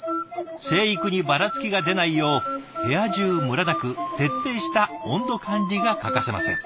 成育にばらつきが出ないよう部屋中ムラなく徹底した温度管理が欠かせません。